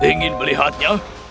kau ingin melihatnya